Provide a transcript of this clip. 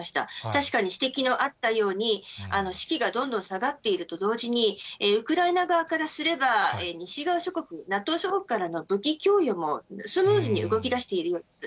確かに指摘のあったように、士気がどんどん下がっているのと同時に、ウクライナ側からすれば、西側諸国、ＮＡＴＯ諸国からの武器供与もスムーズに動きだしているようです。